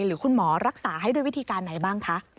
หรือคุณหมอรักษาให้ด้วยวิธีการไหนบ้างคะ